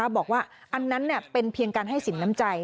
บอกว่าอันนั้นเป็นเพียงการให้สินน้ำใจ